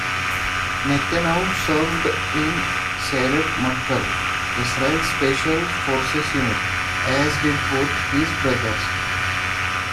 Netanyahu served in Sayeret Matkal, Israel's special forces unit, as did both his brothers.